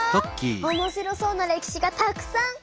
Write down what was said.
おもしろそうな歴史がたくさん！